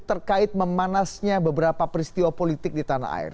terkait memanasnya beberapa peristiwa politik di tanah air